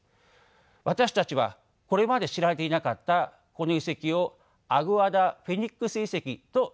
私たちはこれまで知られていなかったこの遺跡をアグアダ・フェニックス遺跡と名付けました。